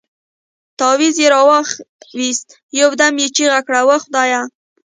تاويز يې راوايست يو دم يې چيغه کړه وه خدايه.